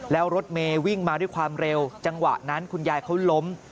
แล้วรถเมย์วิ่งมาด้วยความเร็วจังหวะนั้นคุณยายเขาล้ม